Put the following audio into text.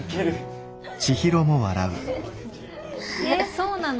そうなの？